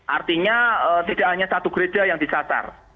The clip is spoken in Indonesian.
artinya tidak hanya satu gereja yang disasar